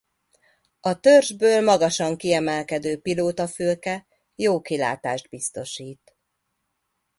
A törzsből magasan kiemelkedő pilótafülke jó kilátást biztosít.